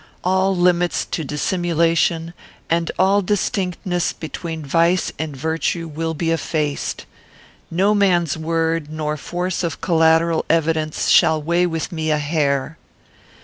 All limits to dissimulation, and all distinctness between vice and virtue, will be effaced. No man's word, nor force of collateral evidence, shall weigh with me a hair."